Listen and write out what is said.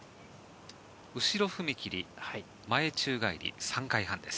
後ろ踏切前宙返り３回半です。